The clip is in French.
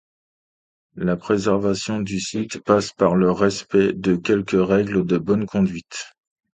La préservation du site passe par le respect de quelques règles de bonne conduite.